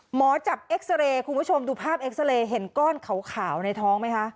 หมอจับเอ็กซาเรย์คุณผู้ชมดูภาพเอ็กซาเรย์เห็นก้อนขาวในท้องไหมคะ